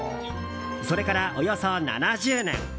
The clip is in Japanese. それからおよそ７０年。